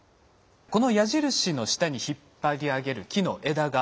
この矢印の下に引っ張り上げる木の枝がついています。